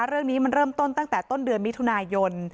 เรื่องนี้มันเริ่มต้นตั้งแต่ต้นเดือนมิถุนายน